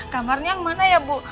kamarnya yang mana ya bu